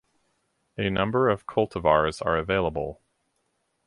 A number of cultivars are available.